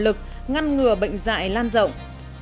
lực ngăn ngừa bệnh dạy lan rộng